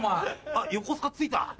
あっ横須賀着いた？